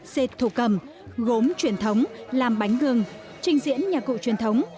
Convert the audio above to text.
dệt thủ cầm gốm truyền thống làm bánh gương trình diễn nhà cụ truyền thống